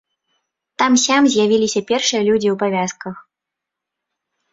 Там-сям з'явіліся першыя людзі ў павязках.